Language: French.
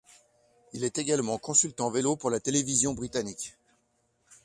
Il est également consultant vélo pour la télévision britannique.